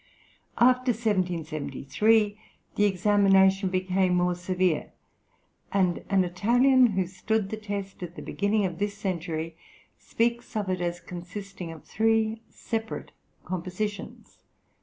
After 1773, the examination became more severe, and an Italian who stood the test at the beginning of this century, speaks of it as consisting of three separate compositions.